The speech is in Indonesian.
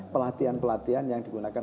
pelatihan pelatihan yang digunakan